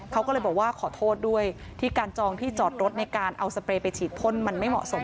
เขาก็เลยบอกว่าขอโทษด้วยที่การจองที่จอดรถในการเอาสเปรย์ไปฉีดพ่นมันไม่เหมาะสม